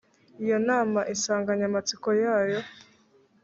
iyo nama insanganyamatsiko yayo